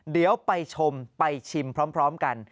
เดี๋ยวไปชมไปชิมพร้อมกัน